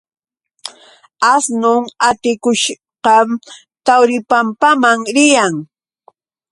Asnun atikushqam Tawripampaman riyan.